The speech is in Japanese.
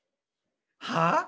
はあ？